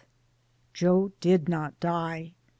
Joe did not die.